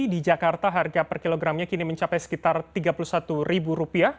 di jakarta harga per kilogramnya kini mencapai sekitar rp tiga puluh satu